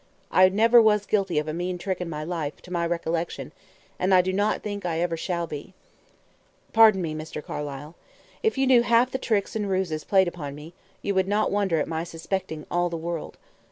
I never was guilty of a mean trick in my life, to my recollection, and I do not think I ever shall be." "Pardon me, Mr. Carlyle. If you knew half the tricks and ruses played upon me, you would not wonder at my suspecting all the world.